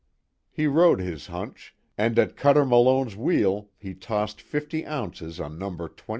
He rode his hunch, and at Cuter Malone's wheel he tossed fifty ounces on Number 21.